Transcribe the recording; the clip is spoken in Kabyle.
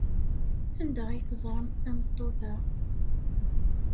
Anda ay teẓramt tameṭṭut-a?